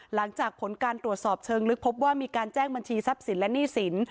หลังจากผลการตรวจสอบเชิงลึกพบว่ามีการแจ้งบัญชีทรัพย์สินและหนี้สิน